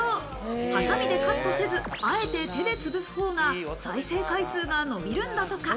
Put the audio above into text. ハサミでカットせず、あえて手でつぶすほうが再生回数が伸びるんだとか。